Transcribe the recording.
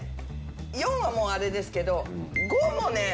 ４はあれですけど５もね。